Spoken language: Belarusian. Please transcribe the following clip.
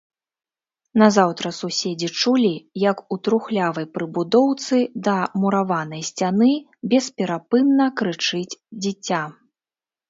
Назаўтра суседзі чулі, як у трухлявай прыбудоўцы да мураванай сцяны бесперапынна крычыць дзіця.